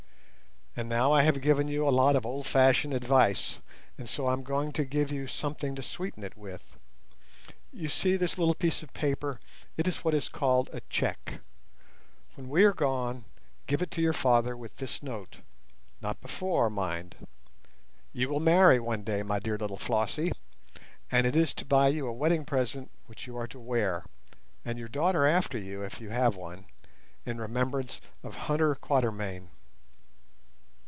And now I have given you a lot of old fashioned advice, and so I am going to give you something to sweeten it with. You see this little piece of paper. It is what is called a cheque. When we are gone give it to your father with this note—not before, mind. You will marry one day, my dear little Flossie, and it is to buy you a wedding present which you are to wear, and your daughter after you, if you have one, in remembrance of Hunter Quatermain."